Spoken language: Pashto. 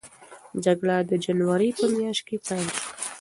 جګړه د جنورۍ په میاشت کې پیل شوه.